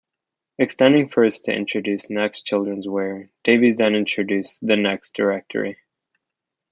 Extending first to introduce Next childrenswear, Davies then introduced the Next Directory.